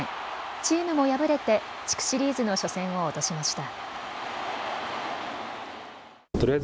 チームも敗れて地区シリーズの初戦を落としました。